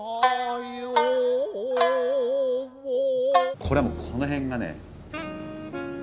これはもうこの辺がね